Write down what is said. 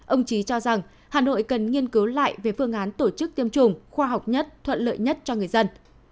ông trí cho rằng hà nội cần nghiên cứu lại về phương án tổ chức tiêm chủng khoa học nhất thuận lợi nhất cho người dân